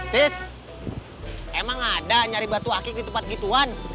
terus emang ada nyari batu akik di tempat gituan